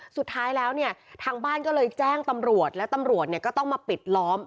สุดท้ายแล้วเนี่ยทางบ้านก็เลยแจ้งตำรวจแล้วตำรวจเนี่ยก็ต้องมาปิดล้อม